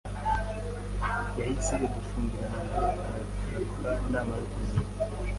Yahise adufungirana ngo aragaruka namara kuruhuka,